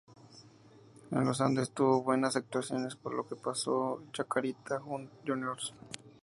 En Los Andes, tuvo buenas actuaciones por lo que pasó a Chacarita Juniors.